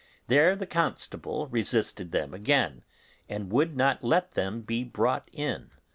There the constable resisted them again, and would not let them be brought in.